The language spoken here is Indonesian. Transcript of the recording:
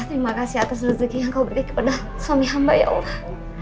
terima kasih atas rezeki yang kau berikan kepada suami hamba ya allah